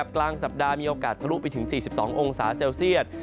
กลางสัปดาห์มีโอกาสทะลุไปถึง๔๒องศาเซลเซียต